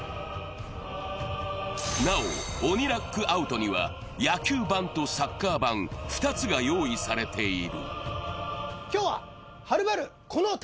なお、鬼ラックアウトには野球版とサッカー版２つが用意されている。